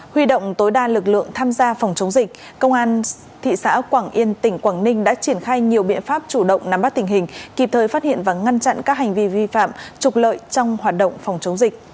huy động tối đa lực lượng tham gia phòng chống dịch công an thị xã quảng yên tỉnh quảng ninh đã triển khai nhiều biện pháp chủ động nắm bắt tình hình kịp thời phát hiện và ngăn chặn các hành vi vi phạm trục lợi trong hoạt động phòng chống dịch